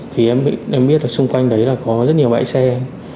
thì em biết là xung quanh đấy là có rất nhiều bãi xe